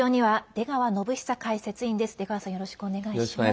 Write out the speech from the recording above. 出川さん、よろしくお願いします。